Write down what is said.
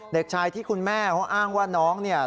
เด็กชายที่คุณแม่เขาอ้างว่าน้องเนี่ย